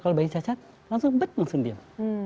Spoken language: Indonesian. kalau bayi cacat langsung but langsung diam